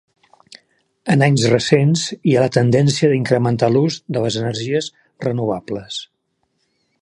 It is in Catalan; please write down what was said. En anys recents hi ha la tendència d'incrementar l'ús de les energies renovables.